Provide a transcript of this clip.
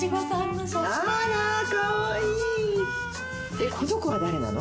でこの子は誰なの？